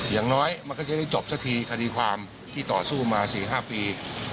อย่างน้อยมันก็จะได้จบสักทีคดีความที่ต่อสู้มา๔๕ปี